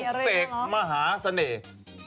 คุณเสกมหาเสน่ห์